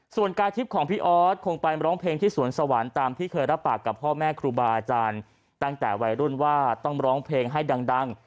ส่วนกายทิพย์ของพี่ออสคงไปร้องเพลงที่สวนสวรรค์ตามที่เคยรับปากกับพ่อแม่ครูบาอาจารย์ตั้งแต่วัยรุ่นว่าต้องร้องเพลงให้ดัง